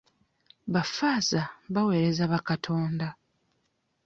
Baffaaza baweereza ba Katonda.